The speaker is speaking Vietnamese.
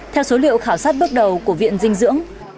theo số liệu khảo sát bước đầu của viện dinh dưỡng